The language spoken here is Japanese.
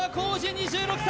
２６歳！